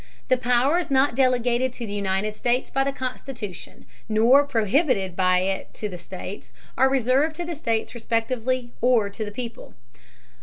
The powers not delegated to the United States by the Constitution, nor prohibited by it to the States, are reserved to the States respectively, or to the people.